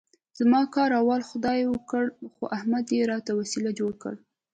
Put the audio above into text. زما کار اول خدای وکړ، خو احمد یې راته وسیله جوړ کړ.